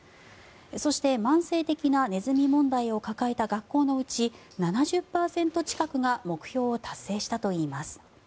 そして、慢性的なネズミ問題を抱えた学校のうち７０％近くが目標を達成したといいます。